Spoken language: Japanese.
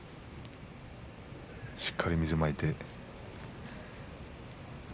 しっかり水をまいて。